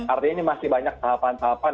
artinya ini masih banyak sahapan sahapan